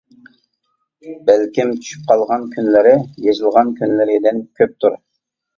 بەلكىم چۈشۈپ قالغان كۈنلىرى يېزىلغان كۈنلىرىدىن كۆپتۇر؟ !